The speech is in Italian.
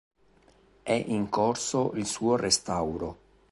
È in corso il suo restauro.